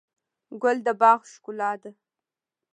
ګل د باغ ښکلا ده.